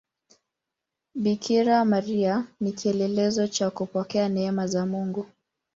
Bikira Maria ni kielelezo cha kupokea neema za Mungu.